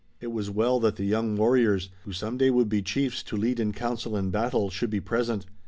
It was well that the young warriors, who some day would be chiefs to lead in council and battle, should be present.